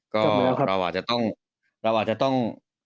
ก็เราอาจจะต้อง